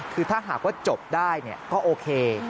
คือถ้าหากว่าจบได้ก็โอเค